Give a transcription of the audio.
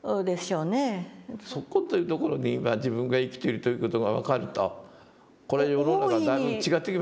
即今というところに今自分が生きているという事が分かるとこれ世の中だいぶ違ってきますよね。